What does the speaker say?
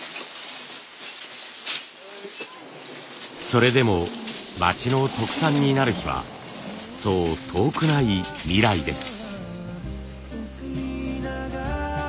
それでも町の特産になる日はそう遠くない未来です。